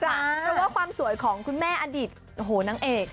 เพราะว่าความสวยของคุณแม่อดีตนางเอก